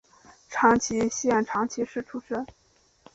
长崎县长崎市出身。